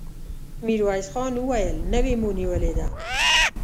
ميرويس خان وويل: نوې مو نيولې ده!